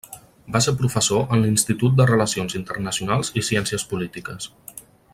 Va ser professor en l'Institut de Relacions Internacionals i Ciències Polítiques.